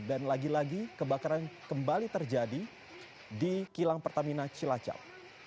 dan lagi lagi kebakaran kembali terjadi di kilang pertamina cilacap